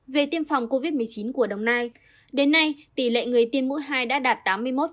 về tiêm phòng covid một mươi chín của đồng nai đến nay tỷ lệ người tiêm mũi hai đã đạt tám mươi một